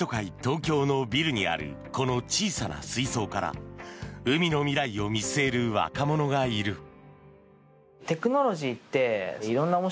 ・東京のビルにあるこの小さな水槽から海の未来を見据える若者がいる。